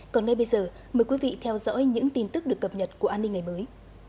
còn ngay bây giờ mời quý vị theo dõi những tin tức được cập nhật của an ninh ngày mới